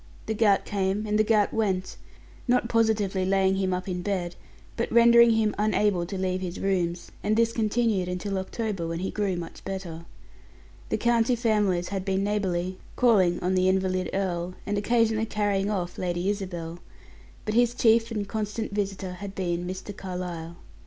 The gout came, and the gout went not positively laying him up in bed, but rendering him unable to leave his rooms; and this continued until October, when he grew much better. The county families had been neighborly, calling on the invalid earl, and occasionally carrying off Lady Isabel, but his chief and constant visitor had been Mr. Carlyle.